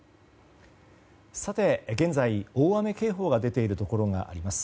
現在、大雨警報が出ているところがあります。